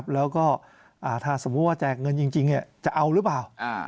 แล้วก็ถ้าสมมุติว่าแจกเงินจริงจะเอาหรือเปล่า